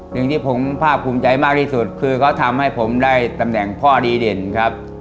สิ่งที่ผมภาพภูมิใจมากที่สุดคือเขาทำให้ผมได้ตำแหน่งพ่อดีเด่นครับ